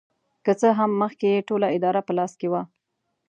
که څه هم مخکې یې ټوله اداره په لاس کې وه.